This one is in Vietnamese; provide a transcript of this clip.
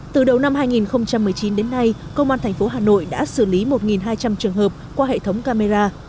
từ đầu năm hai nghìn một mươi chín đến nay công an thành phố hà nội đã xử lý một hai trăm linh trường hợp qua hệ thống camera